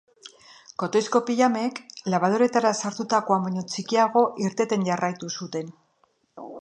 Kotoizko pijamek labadoretara sartutakoan baino txikiago irteten jarraitu zuten.